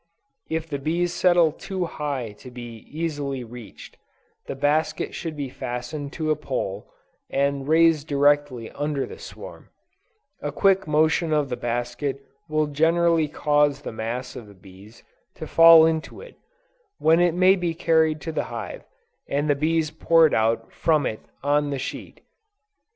If the bees settle too high to be easily reached, the basket should be fastened to a pole, and raised directly under the swarm; a quick motion of the basket will cause the mass of the bees to fall into it, when it may be carried to the hive, and the bees poured out from it on the sheet.